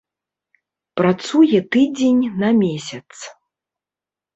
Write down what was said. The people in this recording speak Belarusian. Працуе тыдзень на месяц.